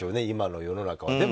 今の世の中は。